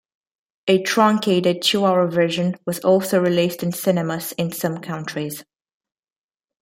A truncated two-hour version was also released in cinemas in some countries.